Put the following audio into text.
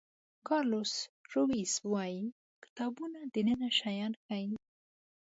کارلوس رویز وایي کتابونه دننه شیان ښیي.